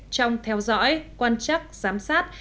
trong theo dõi quan chắc giám sát